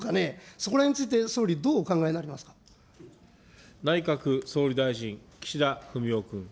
そこらへんについて、総理、どう内閣総理大臣、岸田文雄君。